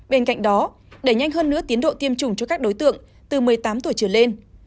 bên cạnh đó đẩy nhanh hơn nữa tiến độ tiêm chủng cho các đối tượng từ một mươi tám tuổi trở lên